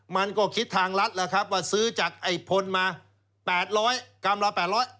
มันก็คิดทางลัดแล้วครับว่าซื้อจากไอ้พลมาแปดร้อยกรัมละแปดร้อย